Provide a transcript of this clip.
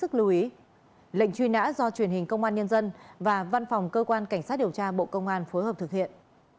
cả do truyền hình công an nhân dân và văn phòng cơ quan cảnh sát điều tra bộ công an phối hợp thực hiện